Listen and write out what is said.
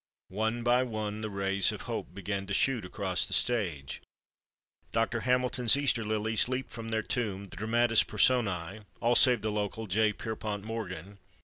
One by one the rays of Hope begin to shoot across the stage, Dr. Hamilton's Easter lilies leap from their tomb, the dramatis personæ (all save the local J. Pierpont Morgan!)